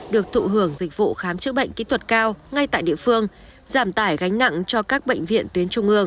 được thụ hưởng dịch vụ khám chữa bệnh kỹ thuật cao ngay tại địa phương giảm tải gánh nặng cho các bệnh viện tuyến trung ương